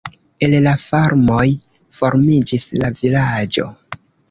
El la farmoj formiĝis la vilaĝo.